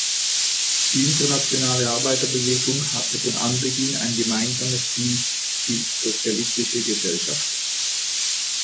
Die internationale Arbeiterbewegung hatte von Anbeginn ein gemeinsames Ziel, die sozialistische Gesellschaft.